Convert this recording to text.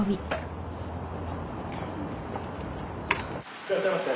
いらっしゃいませ。